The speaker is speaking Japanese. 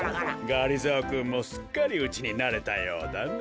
がりぞーくんもすっかりうちになれたようだね。